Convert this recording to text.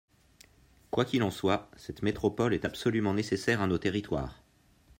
Quoi qu’il en soit, cette métropole est absolument nécessaire à nos territoires.